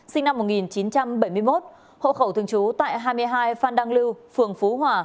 sinh năm một nghìn chín trăm bảy mươi một hộ khẩu thường trú tại hai mươi hai phan đăng lưu phường phú hòa